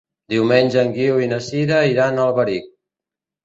Diumenge en Guiu i na Sira iran a Alberic.